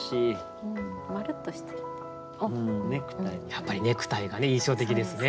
やっぱりネクタイが印象的ですね。